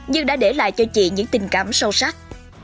nhưng đã để lại cho chị những tình cảm sâu sắc